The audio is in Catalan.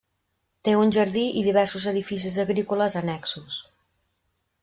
Té un jardí i diversos edificis agrícoles annexos.